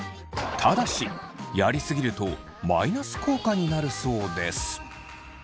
ただしやりすぎるとマイナス効果になるそうです。